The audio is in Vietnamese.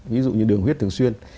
ví dụ như đường huyết thường xuyên